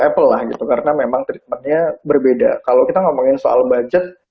apple lah gitu karena memang treatmentnya berbeda kalau kita ngomongin soal budget